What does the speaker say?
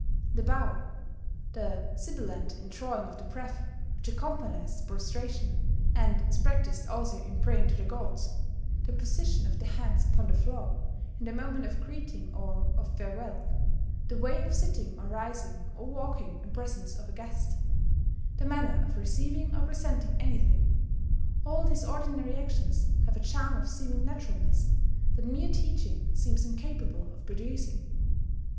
The bow, the sibilant in drawing of the breath which accompanies the prostration, and is practised also in praying to the gods, the position of the hands upon the floor in the moment of greeting or of farewell, the way of sitting or rising or walking in presence of a guest, the manner of receiving or presenting anything, all these ordinary actions have a charm of seeming naturalness that mere teaching seems incapable of producing.